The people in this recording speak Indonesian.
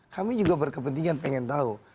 kami juga berkepentingan pengen tahu